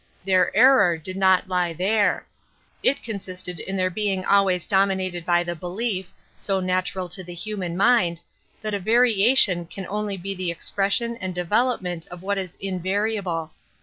Their error did not lie there. It consisted in their being I always dominated by the belief, so natural to the human mind, that a variation can \ only be the expresaion and development of I what is invariable.